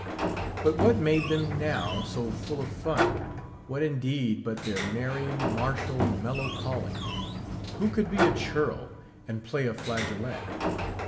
But what made them, now, so full of fun? What indeed but their merry, martial, mellow calling. Who could he a churl, and play a flageolet?